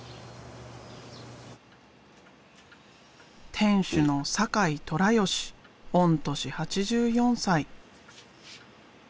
店主の酒井寅義御年８４歳。